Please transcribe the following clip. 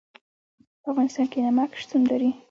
په افغانستان کې نمک شتون لري.